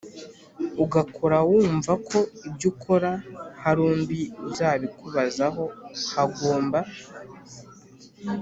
ugakora wumva ko ibyo ukora hari undi uzabikubazaho Hagomba